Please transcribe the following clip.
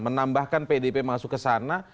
menambahkan pdp masuk ke sana